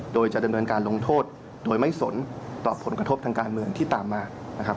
โดยจะดำเนินการลงโทษโดยไม่สนต่อผลกระทบทางการเมืองที่ตามมานะครับ